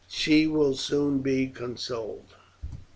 She will soon be consoled."